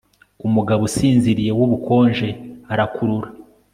umugabo usinziriye wubukonje arakurura